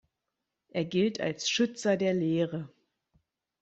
Er gilt als „Schützer der Lehre“.